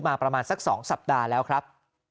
ประมาณสัก๒สัปดาห์แล้วครับ